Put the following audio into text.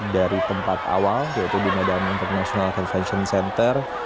dari tempat awal yaitu di medan international convention center